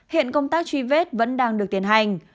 hiện công tác truy vết vẫn đang được tiến hành